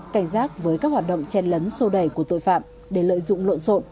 cảnh giác với các hoạt động chen lấn sô đầy của tội phạm để lợi dụng lộn rộn